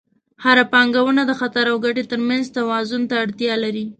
هره پانګونه د خطر او ګټې ترمنځ توازن ته اړتیا لري.